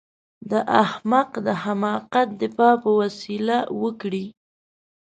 د احمق د حماقت دفاع په وسيله وکړئ.